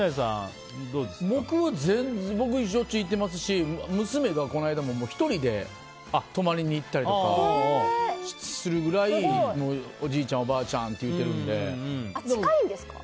僕はしょっちゅう行ってますし娘がこの間も１人で泊まりに行ったりとかするくらいおじいちゃん、おばあちゃんって近いんですか。